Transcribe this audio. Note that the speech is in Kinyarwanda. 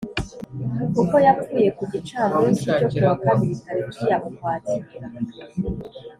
Kuko yapfuye ku gicamunsi cyo kuwa kabiri tariki ya ukwakira